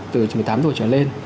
từ một mươi tám tuổi trở lên